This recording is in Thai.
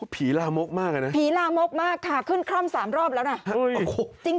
ผีลามกมากเลยนะครับค่ะขึ้นคร่ำ๓รอบแล้วนะจริง